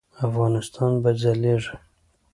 افغانستان به ځلیږي؟